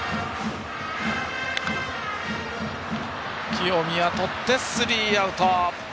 清宮とってスリーアウト。